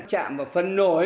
chạm vào phần nồi